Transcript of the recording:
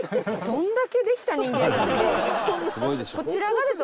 こちらがです。